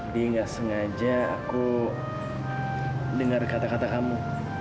dia nggak sengaja aku dengar kata kata kamu